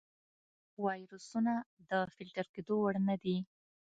ویروسونه د فلتر کېدو وړ نه دي.